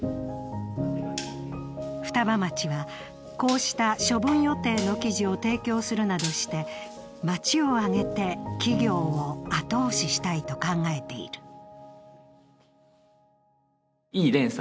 双葉町はこうした処分予定の生地を提供するなどして町を挙げて企業を後押ししたいと考えている。